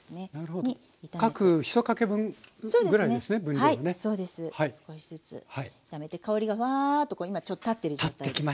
はいそうです。少しずつ炒めて香りがワーッと今立ってる状態です。